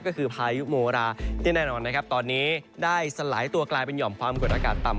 ก็คือพายุโมราที่แน่นอนนะครับตอนนี้ได้สลายตัวกลายเป็นหย่อมความกดอากาศต่ำ